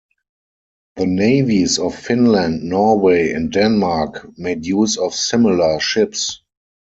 The navies of Finland, Norway, and Denmark made use of similar ships.